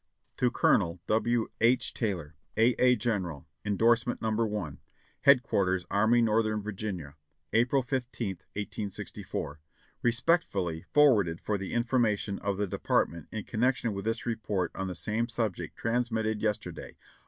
"To CoL. W. H. Taylor, ''A. A. General. "(Indorsement No. i.) "Headquarters Army Northern Virginia. "April 15th, 1864. "Respectfully forwarded for the information of the Department in connection with this report on the same subject transmitted yesterday.